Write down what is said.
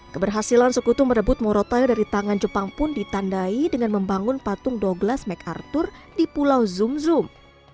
keberhasilan sekutu merebut moro taik dari tangan jepang pun ditandai dengan membangun patung douglas macarthur di pulau zum zum